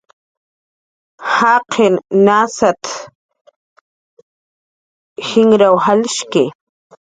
"Jaqin nasat"" jinraw jalshki"